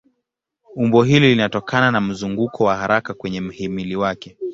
Umbo hili linatokana na mzunguko wa haraka kwenye mhimili wake.